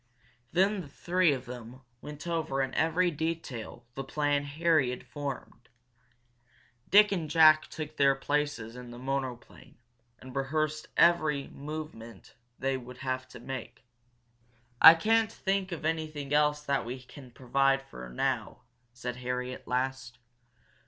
Then the three of them went over in every detail the plan Harry had formed. Dick and Jack took their places in the monoplane and rehearsed every movement they would have to make. "I can't think of anything else that we can provide for now," said Harry, at last.